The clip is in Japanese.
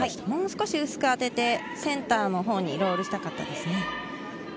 もう少し薄く当ててセンターのほうにロールしたかったですね。